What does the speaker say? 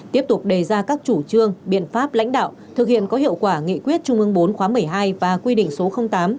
tiếp tục đề ra các chủ trương biện pháp lãnh đạo thực hiện có hiệu quả nghị quyết trung ương bốn khóa một mươi hai và quy định số tám